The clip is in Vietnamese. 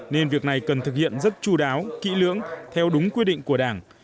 nên việc này cần thực hiện rất chú đáo kỹ lưỡng theo đúng quy định của đảng